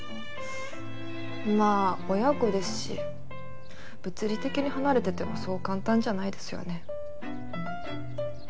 まあ親子ですし物理的に離れててもそう簡単じゃないですよね。